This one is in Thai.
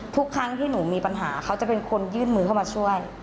ทุกครั้งที่หนูมีปัญหาเขาจะเป็นคนยื่นมือเข้ามาช่วย